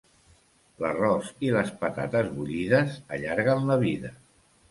L'arròs i les patates bullides allarguen la vida.